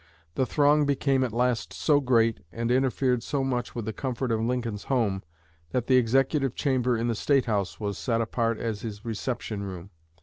The throng became at last so great, and interfered so much with the comfort of Lincoln's home, that the Executive Chamber in the State House was set apart as his reception room.